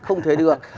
không thể được